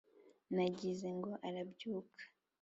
ntagize ngo arabyuka,